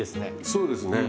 そうですね。